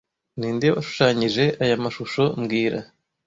Ninde washushanyije aya mashusho mbwira